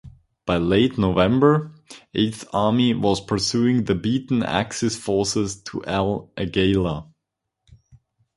By late November Eighth Army was pursuing the beaten Axis forces to El Agheila.